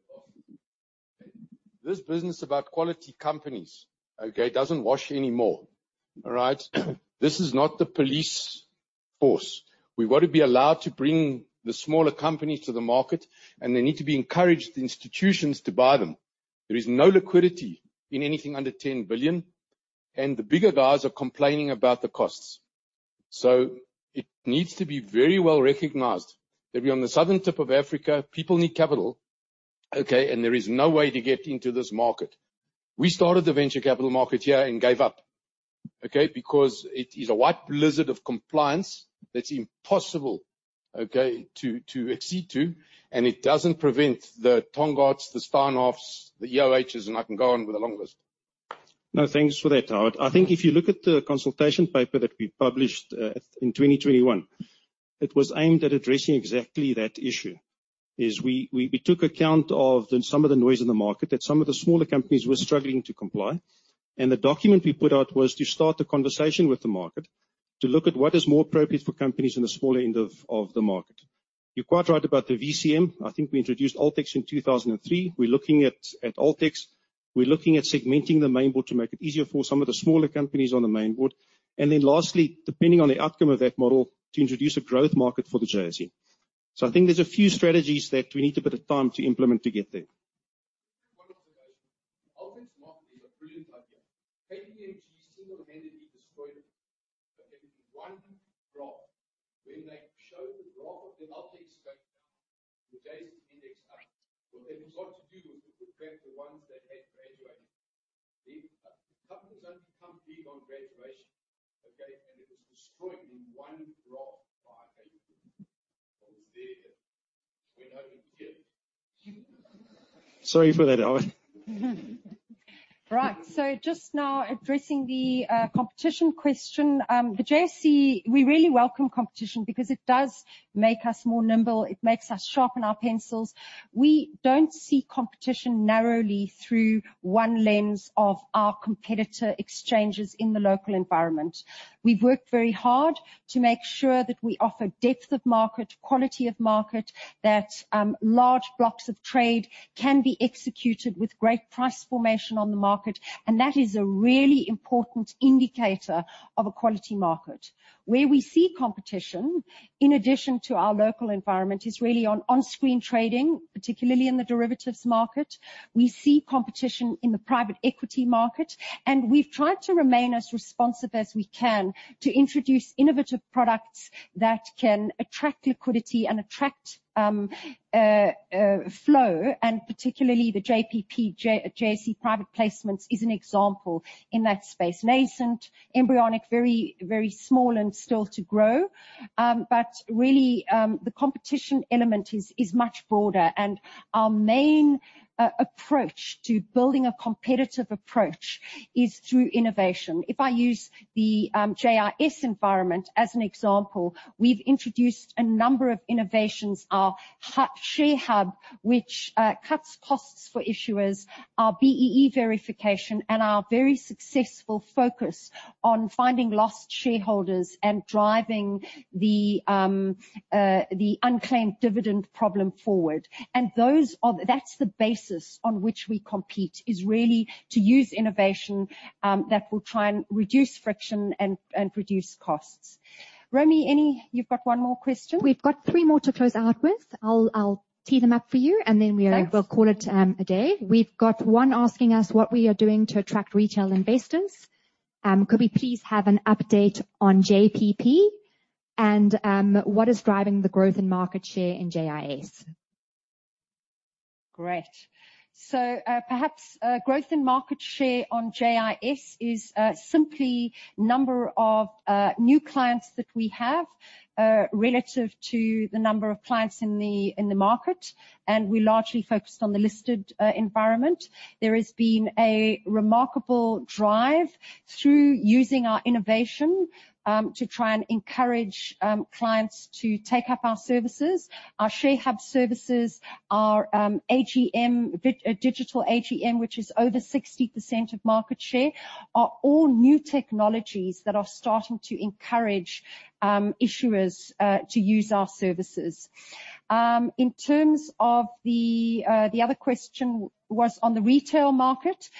Speaker 3: have lost. This business about quality companies, okay, doesn't wash anymore. All right? This is not the police force. We want to be allowed to bring the smaller company to the market, and they need to be encouraged, the institutions, to buy them. There is no liquidity in anything under 10 billion, and the bigger guys are complaining about the costs. It needs to be very well-recognized that we're on the southern tip of Africa, people need capital, okay? There is no way to get into this market. We started the venture capital market here and gave up, okay? Because it is a white blizzard of compliance that's impossible, okay, to accede to. It doesn't prevent the Tongaats, the Steinhoffs, the EOHs, and I can go on with a long list.
Speaker 5: No, thanks for that, Howard. I think if you look at the consultation paper that we published in 2021, it was aimed at addressing exactly that issue. We took account of some of the noise in the market that some of the smaller companies were struggling to comply. The document we put out was to start the conversation with the market to look at what is more appropriate for companies in the smaller end of the market. You're quite right about the VCM. I think we introduced AltX in 2003. We're looking at AltX. We're looking at segmenting the main board to make it easier for some of the smaller companies on the main board. Lastly, depending on the outcome of that model, to introduce a growth market for the JSE. I think there's a few strategies that we need a bit of time to implement to get there.
Speaker 3: One observation. AltX market is a brilliant idea. KPMG single-handedly destroyed it. In one graph, when they showed the graph of the AltX going down, the JSE index up. That was not to do with the crap the ones that had graduated. The companies only become big on graduation, okay? It was destroyed in one graph by KPMG. I was there when it went down.
Speaker 5: Sorry for that, Howard.
Speaker 1: Right. Just now addressing the competition question. The JSE, we really welcome competition because it does make us more nimble. It makes us sharpen our pencils. We don't see competition narrowly through one lens of our competitor exchanges in the local environment. We've worked very hard to make sure that we offer depth of market, quality of market, that large blocks of trade can be executed with great price formation on the market, and that is a really important indicator of a quality market. Where we see competition, in addition to our local environment, is really on on-screen trading, particularly in the derivatives market. We see competition in the private equity market. We've tried to remain as responsive as we can to introduce innovative products that can attract liquidity and attract flow. Particularly the JPP, JSE Private Placements is an example in that space. Nascent, embryonic, very, very small and still to grow. Really, the competition element is much broader. Our main approach to building a competitive approach is through innovation. If I use the JIS environment as an example, we've introduced a number of innovations, our ShareHub, which cuts costs for issuers, our BEE verification, and our very successful focus on finding lost shareholders and driving the unclaimed dividend problem forward. That's the basis on which we compete, is really to use innovation that will try and reduce friction and reduce costs. Romy, any? You've got one more question.
Speaker 4: We've got three more to close out with. I'll tee them up for you, and then.
Speaker 1: Thanks.
Speaker 4: We'll call it a day. We've got one asking us what we are doing to attract retail investors. Could we please have an update on JPP and what is driving the growth in market share in JIS?
Speaker 1: Great. Perhaps, growth in market share on JIS is simply number of new clients that we have relative to the number of clients in the market, and we largely focused on the listed environment. There has been a remarkable drive through using our innovation to try and encourage clients to take up our services. Our ShareHub services, our digital AGM, which is over 60% of market share, are all new technologies that are starting to encourage issuers to use our services. In terms of the other question was on the retail market.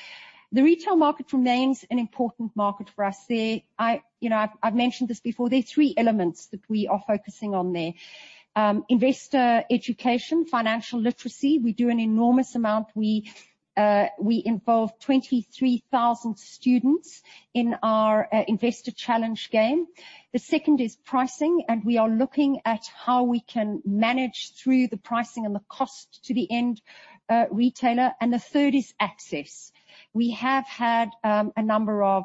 Speaker 1: The retail market remains an important market for us. I, you know, I've mentioned this before. There are three elements that we are focusing on there. Investor education, financial literacy, we do an enormous amount. We involve 23,000 students in our investor challenge game. The second is pricing, and we are looking at how we can manage through the pricing and the cost to the end retailer. The third is access. We have had a number of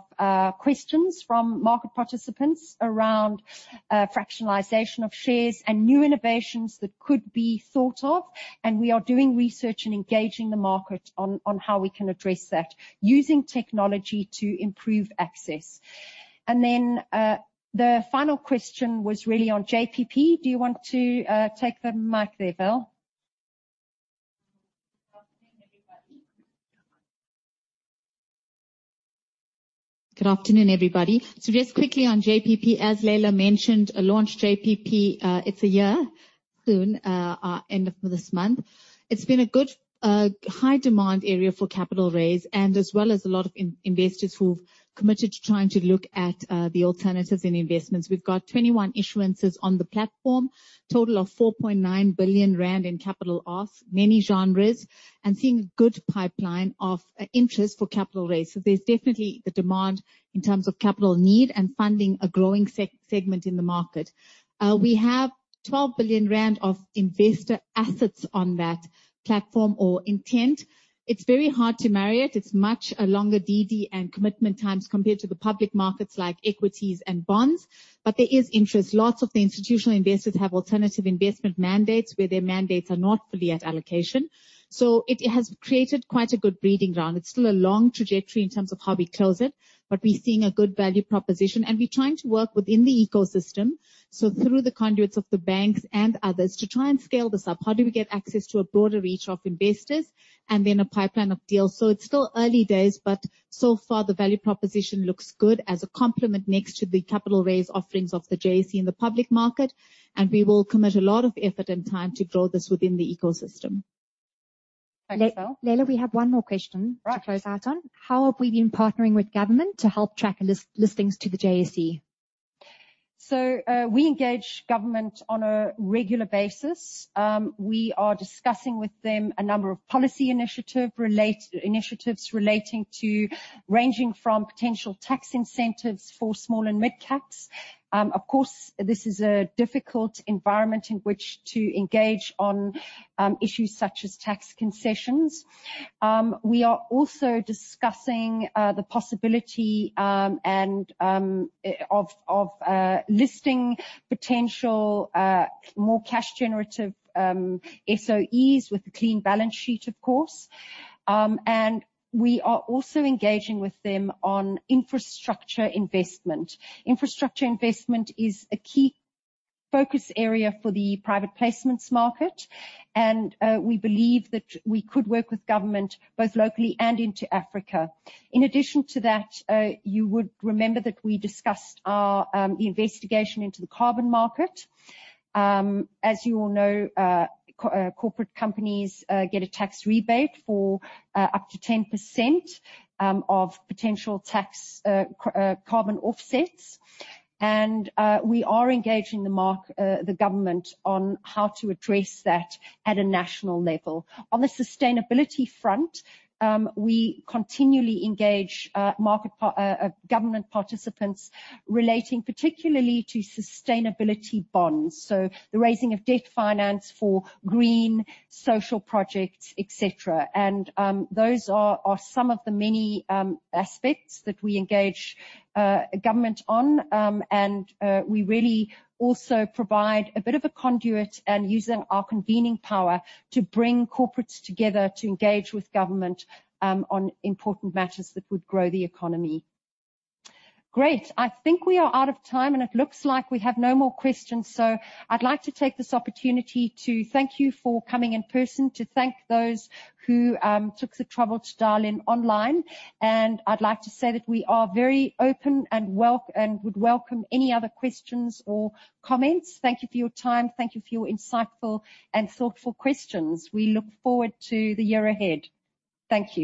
Speaker 1: questions from market participants around fractionalization of shares and new innovations that could be thought of, and we are doing research and engaging the market on how we can address that using technology to improve access. The final question was really on JPP. Do you want to take the mic there, Val?
Speaker 6: Good afternoon, everybody. Just quickly on JPP, as Leila mentioned, I launched JPP, it's a year soon, end of this month. It's been a good, high demand area for capital raise and as well as a lot of investors who've committed to trying to look at the alternatives in investments. We've got 21 issuances on the platform, total of 4.9 billion rand in capital off, many genres and seeing good pipeline of interest for capital raise. There's definitely the demand in terms of capital need and funding a growing segment in the market. We have 12 billion rand of investor assets on that platform or intent. It's very hard to marry it. It's much a longer DD and commitment times compared to the public markets like equities and bonds, but there is interest. Lots of the institutional investors have alternative investment mandates where their mandates are not fully at allocation. It has created quite a good breeding ground. It's still a long trajectory in terms of how we close it, but we're seeing a good value proposition, and we're trying to work within the ecosystem, so through the conduits of the banks and others to try and scale this up. How do we get access to a broader reach of investors and then a pipeline of deals? It's still early days, but so far the value proposition looks good as a complement next to the capital raise offerings of the JSE in the public market. We will commit a lot of effort and time to grow this within the ecosystem.
Speaker 1: Thanks, Val.
Speaker 4: Leila, we have one more question.
Speaker 1: Right.
Speaker 4: To close out on. How have we been partnering with government to help track listings to the JSE?
Speaker 1: We engage government on a regular basis. We are discussing with them a number of policy initiatives relating to ranging from potential tax incentives for small and mid-caps. Of course, this is a difficult environment in which to engage on issues such as tax concessions. We are also discussing the possibility and of listing potential more cash generative SOEs with a clean balance sheet, of course. We are also engaging with them on infrastructure investment. Infrastructure investment is a key focus area for the private placements market, and we believe that we could work with government both locally and into Africa. In addition to that, you would remember that we discussed our investigation into the carbon market. As you all know, corporate companies get a tax rebate for up to 10% of potential tax carbon offsets. We are engaging the government on how to address that at a national level. On the sustainability front, we continually engage market government participants relating particularly to sustainability bonds. The raising of debt finance for green social projects, et cetera. Those are some of the many aspects that we engage government on. We really also provide a bit of a conduit and using our convening power to bring corporates together to engage with government on important matters that would grow the economy. Great. I think we are out of time, and it looks like we have no more questions. I'd like to take this opportunity to thank you for coming in person, to thank those who took the trouble to dial in online. I'd like to say that we are very open and would welcome any other questions or comments. Thank you for your time. Thank you for your insightful and thoughtful questions. We look forward to the year ahead. Thank you.